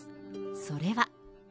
それは。